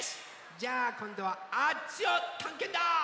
じゃあこんどはあっちをたんけんだ！